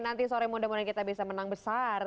nanti sore muda muda kita bisa menang besar